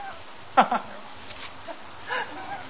ハハハッ。